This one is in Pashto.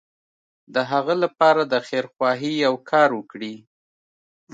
د هغه لپاره د خيرخواهي يو کار وکړي.